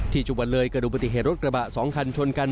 จุบันเลยเกิดดูปฏิเหตุรถกระบะ๒คันชนกัน